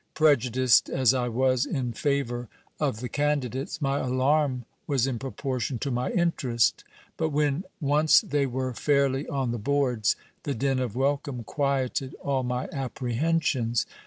Prejudiced as I was in favour of the candidates, my alarm was in proportion to my interest. But when once they were fairly on the boards, the din of welcome quieted all my apprehensions.